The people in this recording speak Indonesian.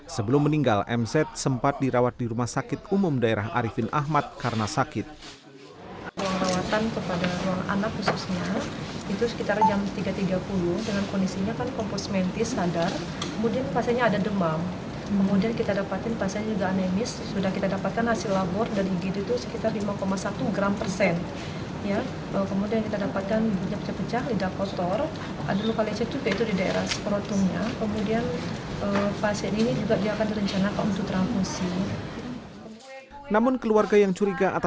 sebelum meninggal m z sempat dirawat di rumah sakit umum daerah arifin ahmad karena sakit